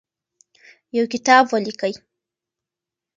یو کتاب ولیکئ.